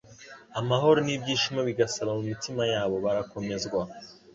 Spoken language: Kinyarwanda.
Amahoro n' ibyishimo bigasaba mu mitima yabo. Barakomezwa,